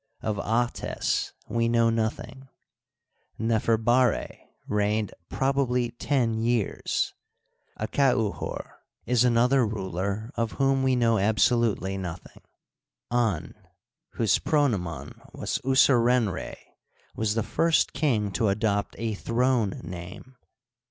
Of Ahtes we know nothing. Neferbara reigned probably ten years. Akauhor is another ruler of whom we know absolutely nothing. An, ^\iost prcBHomon was Userenrd, was the first king to adopt a throne name.